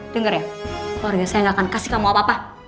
dengar ya keluarga saya gak akan kasih kamu apa apa